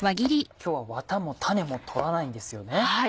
今日はワタも種も取らないんですよね。